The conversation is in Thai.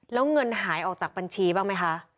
แล้วเงินหายออกจากบัญชีบ้างไหมคะ